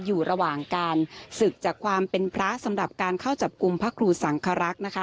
อยู่ระหว่างการศึกจากความเป็นพระสำหรับการเข้าจับกลุ่มพระครูสังครักษ์นะคะ